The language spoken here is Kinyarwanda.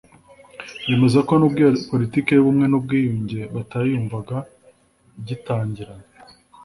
Bemeza ko nubwo iyo politiki y’ubumwe n’ubwiyunge batayumvaga igitangira